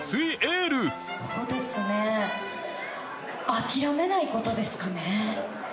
諦めない事ですかね。